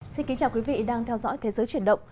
xin kính chào quý vị đang theo dõi thế giới chuyển động